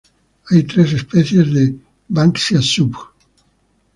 Hay tres especies de "Banksia subg.